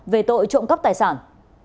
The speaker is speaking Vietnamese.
về tội trộm cắp tài sản